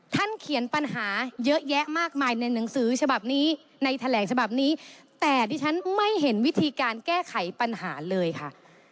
เขียนปัญหาเยอะแยะมากมายในหนังสือฉบับนี้ในแถลงฉบับนี้แต่ดิฉันไม่เห็นวิธีการแก้ไขปัญหาเลยค่ะ